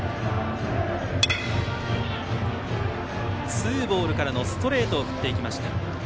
ツーボールからのストレートを振っていきました。